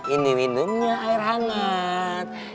ini minumnya air hangat